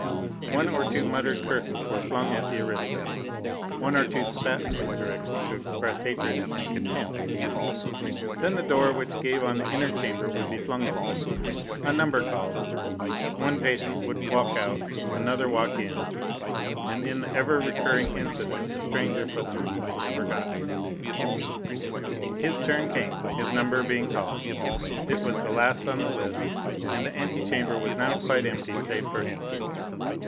One or two muttered curses were flung at the aristo, one or two spat in his direction to express hatred and contempt, then the door which gave on the inner chamber would be flung open a number called one patient would walk out, another walk in and in the ever recurring incident the stranger for the nonce was forgotten. His turn came his number being called it was the last on the list, and the ante chamber was now quite empty save for him.